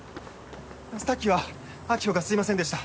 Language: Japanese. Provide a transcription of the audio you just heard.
さっきは晶穂がすいませんでした。